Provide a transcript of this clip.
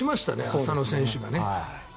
浅野選手がね。